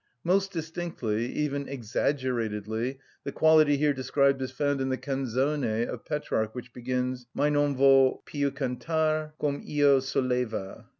Most distinctly, even exaggeratedly, the quality here described is found in the Canzone of Petrarch which begins, "Mai non vo' più cantar, com' io soleva."